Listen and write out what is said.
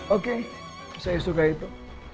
oke saya suka itu